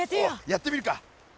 やってみるか。